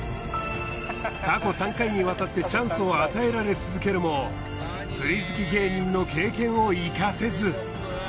過去３回にわたってチャンスを与えられ続けるも釣り好き芸人の経験を生かせず。